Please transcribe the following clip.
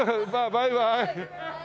バイバイ。